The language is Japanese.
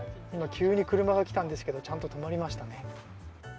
急に車が来たんですけどちゃんと止まりましたね。